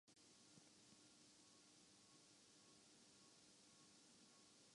hockey world cup میں عبرتناک شکست تحقیقات کیلئے کمیشن تشکیل